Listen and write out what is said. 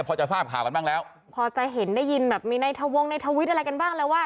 พอจะทราบข่าวกันบ้างแล้วพอจะเห็นได้ยินแบบมีในทะวงในทวิตอะไรกันบ้างแล้วว่า